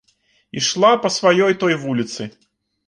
Ішла па сваёй той вуліцы.